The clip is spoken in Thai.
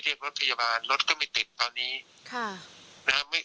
เรียกรถพยาบาลรถก็ไม่ติดตอนนี้